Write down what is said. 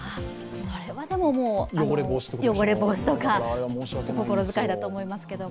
それは汚れ防止とか心遣いだと思いますけど。